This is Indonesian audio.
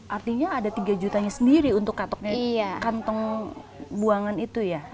artinya ada tiga jutanya sendiri untuk kantong buangan itu ya